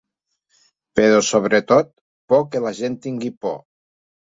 Però, sobretot, por que la gent tingui por.